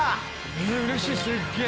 うれしいすっげぇ。